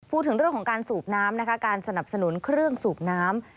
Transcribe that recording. พูดถึงเรื่องของการสูบน้ำนะคะการสนับสนุนเครื่องสูบน้ำ